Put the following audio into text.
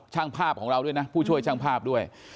ช่างภาพของเราด้วยนะผู้ช่วยช่างภาพด้วย